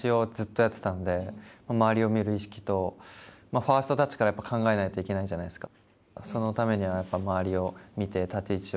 ファーストタッチから考えないといけないじゃないですか。